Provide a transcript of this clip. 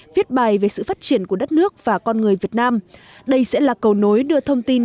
viết bài về sự phát triển của đất nước và con người việt nam đây sẽ là cầu nối đưa thông tin